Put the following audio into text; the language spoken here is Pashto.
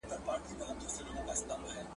تاسي په خپل وخت خوراک کوئ.